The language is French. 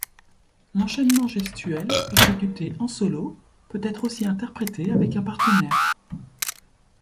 L’enchaînement gestuel exécuté en solo peut être aussi interprété avec un partenaire.